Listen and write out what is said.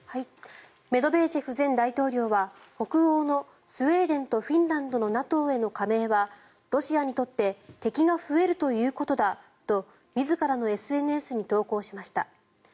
メドベージェフ前大統領は北欧のスウェーデンとフィンランドのＮＡＴＯへの加盟はロシアにとって敵が増えるということだと自らのＳＮＳに投稿しました。